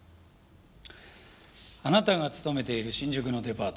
あなたが勤めている新宿のデパート。